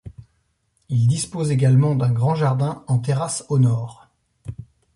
Il dispose également d'un grand jardin en terrasse au nord.